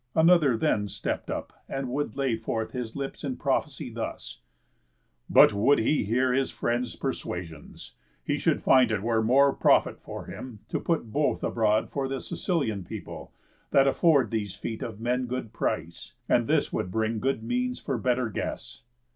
Another then stepp'd up, and would lay forth His lips in prophecy, thus: "But, would he hear His friends' persuasions, he should find it were More profit for him to put both aboard For the Sicilian people, that afford These feet of men good price; and this would bring Good means for better guests."